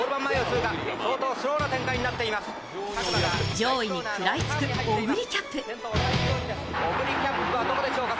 上位に食らいつくオグリキャップ。